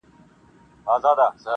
درڅخه ځمه خوږو دوستانو -